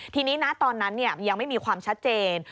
ทีนี้นะตอนนั้นยังไม่มีความชัดเจน